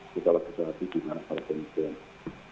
siapkan kita harus berkali kali bagaimana